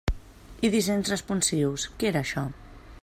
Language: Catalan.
I dissenys responsius… què era això?